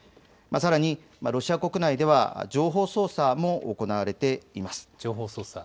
さらにロシア国内では情報操作も行われています。